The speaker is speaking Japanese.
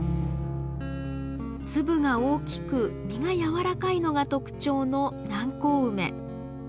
粒が大きく実がやわらかいのが特徴の南高梅。